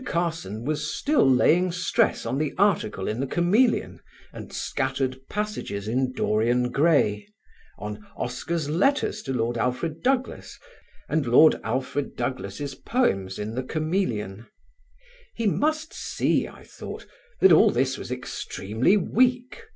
Carson was still laying stress on the article in The Chameleon and scattered passages in "Dorian Gray"; on Oscar's letters to Lord Alfred Douglas and Lord Alfred Douglas' poems in The Chameleon. He must see, I thought, that all this was extremely weak.